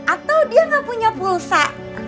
atau dia nggak punya pulsa